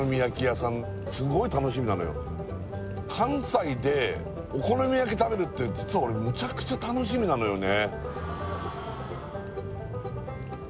関西でお好み焼き食べるって実は俺むちゃくちゃ楽しみなのよね